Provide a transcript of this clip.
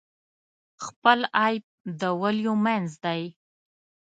خپل عیب د ولیو منځ دی.